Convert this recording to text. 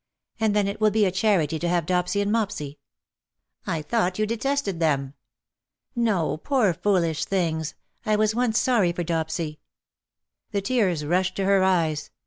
And then it will be a charity to have Dopsy and Mopsy/^ ^' I thought you detested them.^^ " No, poor foolish things— I was once sorry for Dopsy.^^ The tears rushed to her eyes.